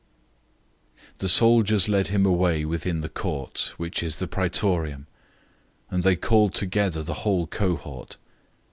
015:016 The soldiers led him away within the court, which is the Praetorium; and they called together the whole cohort.